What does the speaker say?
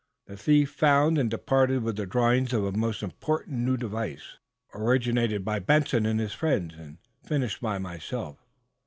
"The thief found and departed with the drawings of a most important new device, originated by Benson and his friends and finished by myself.